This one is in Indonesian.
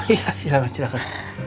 iya silahkan silahkan